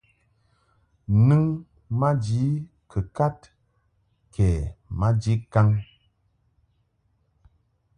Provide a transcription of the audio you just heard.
Nɨŋ maji kɨkad kɛ maji kaŋ.